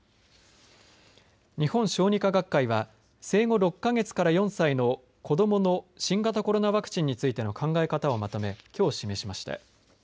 日本小児科学会は生後６か月から４歳の子どもの新型コロナワクチンについての考え方をまとめきょう示しました。